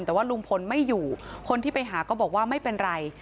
แต่ว่าลุงพลไม่อยู่คนที่ไปหาก็บอกว่าไม่เป็นไร